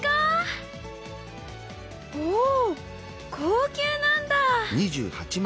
おおっ高級なんだ。